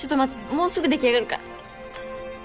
もうすぐ出来上がるから。